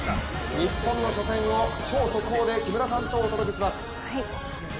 日本の初戦を超速報で木村さんとお届けします。